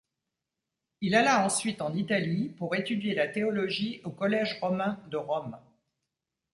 Il alla ensuite en Italie pour étudier la théologie au collège romain de Rome.